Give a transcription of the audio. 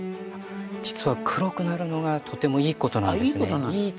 実は黒くなるのがとてもいいことなんですね。